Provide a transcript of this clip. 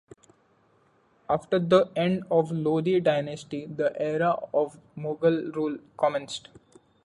After the end of Lodhi dynasty, the era of Mughal rule commenced.